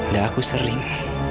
dan aku sering